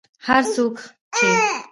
هر هغه څوک چې